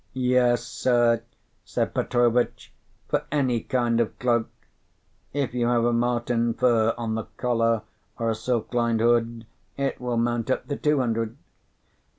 "Yes, sir," said Petrovitch, "for any kind of cloak. If you have a marten fur on the collar, or a silk lined hood, it will mount up to two hundred."